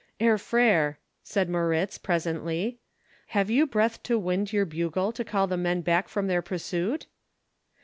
"Herr Freiherr," said Moritz, presently, "have you breath to wind your bugle to call the men back from the pursuit?"